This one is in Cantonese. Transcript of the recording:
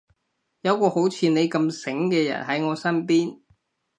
有個好似你咁醒嘅人喺我身邊